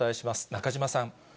中島さん。